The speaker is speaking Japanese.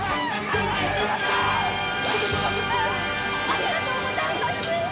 ありがとうございます。